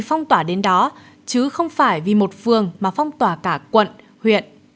phong tỏa đến đó chứ không phải vì một phường mà phong tỏa cả quận huyện